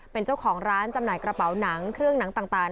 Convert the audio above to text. เป็นเจ้าของร้านจำหน่ายกระเป๋าหนังเครื่องหนังต่าง